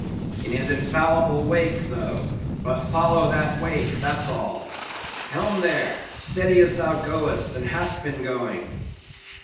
"In his infallible wake, though; but follow that wake, that's all. Helm there; steady, as thou goest, and hast been going.